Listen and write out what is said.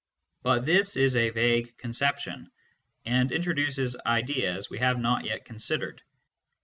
But this is a vague conception, and introduces ideas which we have not yet considered.